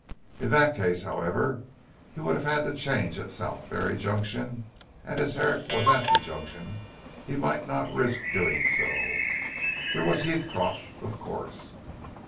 In that case however he would have had to change at Southberry Junction and as Herrick was at the Junction he might not risk doing so. There was Heathcroft of course.